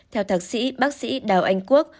theo thạc sĩ bác sĩ đào anh quốc